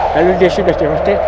kalau dia sudah tewas te